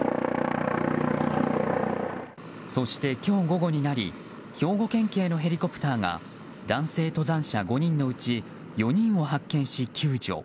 そして今日午後になり兵庫県警のヘリコプターが男性登山者５人のうち４人を発見し救助。